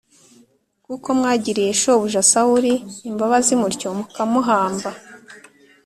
kuko mwagiriye shobuja Sawuli imbabazi mutyo, mukamuhamba